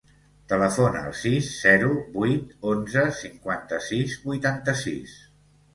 Telefona al sis, zero, vuit, onze, cinquanta-sis, vuitanta-sis.